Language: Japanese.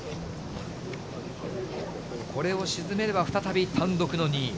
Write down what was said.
これを沈めれば、再び単独の２位。